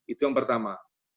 itu yang pertama